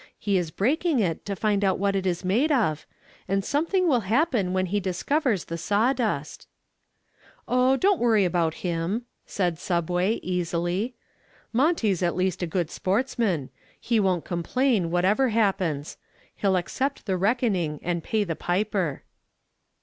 He is breaking it to find out what it is made of. And something will happen when he discovers the sawdust." "Oh, don't worry about him," said "Subway," easily; "Monty's at least a good sportsman. He won't complain, whatever happens. He'll accept the reckoning and pay the piper."